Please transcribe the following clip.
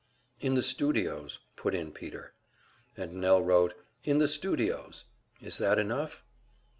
"In the studios," put in Peter. And Nell wrote, "In the studios. Is that enough?"